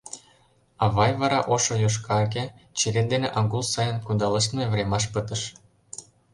Авай вара ошо-йошкарге черет дене агул сайын кудалыштме времаш пытыш.